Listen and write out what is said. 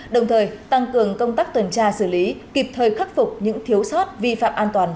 đồng thời tăng cường công tác tuần tra xử lý kịp thời khắc phục những thiếu sót vi phạm an toàn